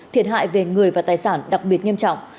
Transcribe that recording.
thiệt hại về người và tài sản đặc biệt nghiêm trọng